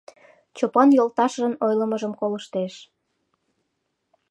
Чопан йолташыжын ойлымыжым колыштеш.